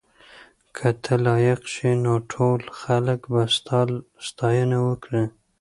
که ته لایق شې نو ټول خلک به ستا ستاینه وکړي.